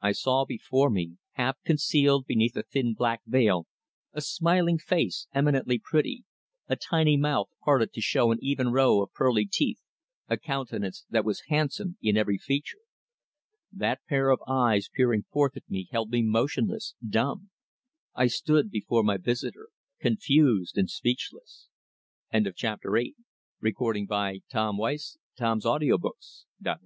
I saw before me, half concealed beneath a thin black veil, a smiling face eminently pretty, a tiny mouth parted to show an even row of pearly teeth, a countenance that was handsome in every feature. That pair of eyes peering forth at me held me motionless, dumb. I stood before my visitor, confused and speechless. CHAPTER NINE. THE LOVE OF LONG AGO. There are hours in our lives which ar